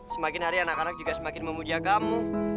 semakin hari anak anak juga semakin memuja kamu